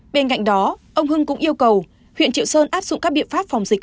bên cạnh đó ông hưng cũng yêu cầu huyện triệu sơn áp dụng các biện pháp phòng dịch